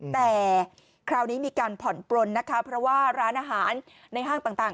แต่คราวนี้มีการผ่อนปลนนะคะเพราะว่าร้านอาหารในห้างต่าง